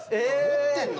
持ってんの？